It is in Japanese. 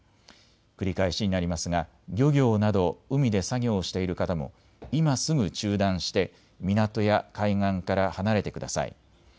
繰り返しになりますが漁業など海で作業をしている方も今すぐ中断して港や海岸から離れてください。